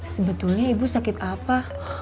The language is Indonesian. sebetulnya ibu sakit apa